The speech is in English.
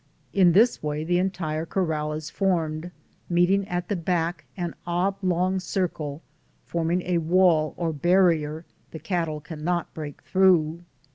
In this way the entire corral is formed, meeting at the back an oblong circle, forming a wall or barrier, the cattle cannot break through.